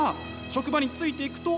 職場についていくと。